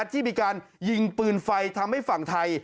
ที่มีการยิงปืนไฟทำให้ฝั่งไทย